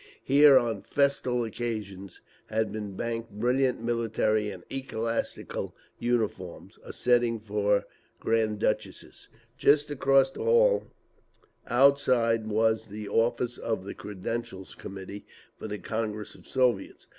Here on festal occasions had been banked brilliant military and ecclesiastical uniforms, a setting for Grand Duchesses…. Just across the hall outside was the office of the Credentials Committee for the Congress of Soviets.